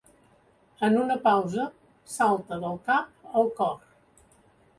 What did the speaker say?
En una pausa, salta del cap al cor.